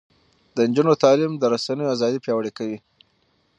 د نجونو تعلیم د رسنیو ازادي پیاوړې کوي.